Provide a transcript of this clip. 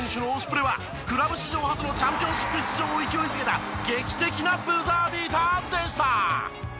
プレはクラブ史上初のチャンピオンシップ出場を勢いづけた劇的なブザービーターでした。